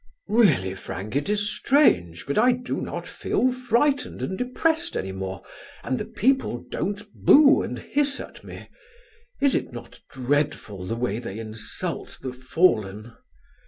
"Really, Frank, it is strange, but I do not feel frightened and depressed any more, and the people don't boo and hiss at me. Is it not dreadful the way they insult the fallen?"